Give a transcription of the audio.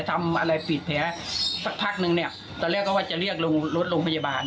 ทำอะไรปิดแผลสักพักนึงเนี่ยตอนแรกก็ว่าจะเรียกลงรถโรงพยาบาล